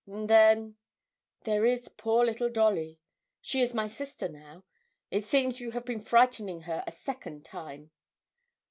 And then there is poor little Dolly she is my sister now it seems you have been frightening her a second time.'